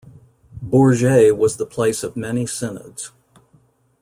Bourges was the place of many synods.